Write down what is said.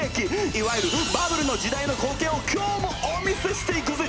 いわゆるバブルの時代の光景を今日もお見せしていくぜ！